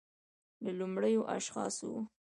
له لومړیو اشخاصو و